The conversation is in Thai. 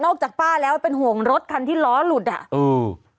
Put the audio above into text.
นอกจากป้าแล้วเป็นห่วงรถที่ล้อหลุดอ่ะอืม